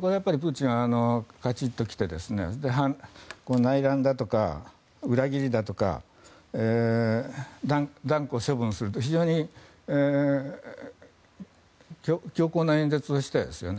これはプーチンはカチンときて内乱だとか裏切りだとか断固処分すると非常に強硬な演説をしましたよね。